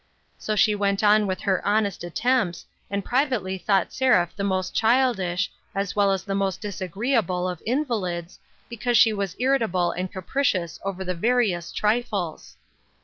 So she went on with her honest attempts, and privately thought Seraph the most childish, as well as the most disagreeable of invalids, because she was irritable and capricious over the veriest trifles.